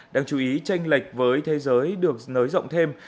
đáng chú ý tranh lệch với thế giới được nới rộng thêm